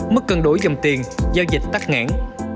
mất cân đổi dòng tiền giao dịch tắt ngãn